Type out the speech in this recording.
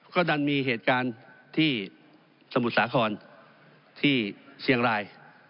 ก็ดันมีเหตุการณ์ที่สมุทรสาครที่เชียงราย